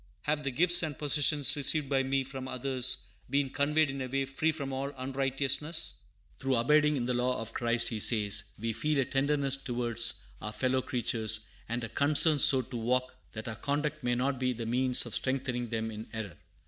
Have the gifts and possessions received by me from others been conveyed in a way free from all unrighteousness? "Through abiding in the law of Christ," he says, "we feel a tenderness towards our fellow creatures, and a concern so to walk that our conduct may not be the means of strengthening them in error."